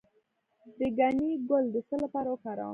د ګنی ګل د څه لپاره وکاروم؟